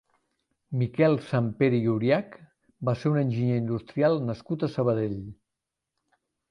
Miquel Sampere i Oriach va ser un enginyer industrial nascut a Sabadell.